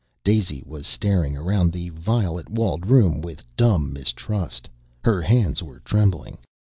Daisy was staring around the violet walled room with dumb mistrust. Her hands were trembling.